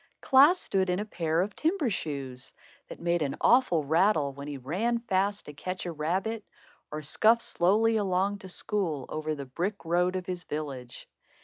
Klaas stood in a pair of timber shoes, that made an awful rattle when he ran fast to catch a rabbit, or scuffed slowly along to school over the brick road of his village.